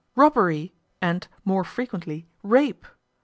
robbery! and more frequently rape!